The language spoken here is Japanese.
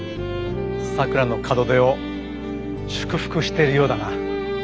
さくらの門出を祝福しているようだな。